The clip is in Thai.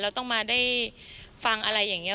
เราต้องมาได้ฟังอะไรอย่างนี้